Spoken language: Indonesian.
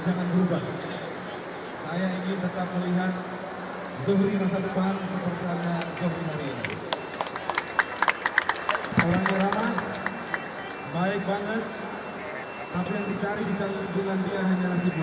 karenanya saya berterima kasih kepada semua pihak yang mendukung memberikan penghargaan kepada zohri